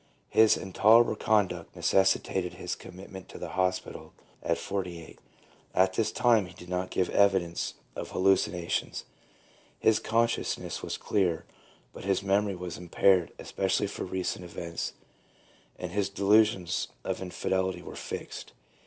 His intolerable conduct necessitated his commitment to the hospital at forty eight. At this time he did not give evidence of hallucinations; his consciousness was clear, but his memory was impaired, especially for recent events, and his delusions of infidelity were fixed.